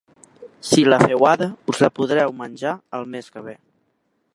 Si la feu ara, us la podreu menjar el mes que ve.